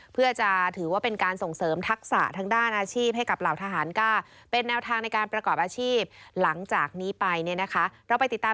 เพื่อจะถือว่าเป็นการส่งเสริมทักษะทั้งด้านอาชีพให้กับหล่าวทหารกล้า